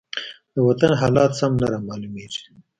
د وطن حالات سم نه رامالومېږي.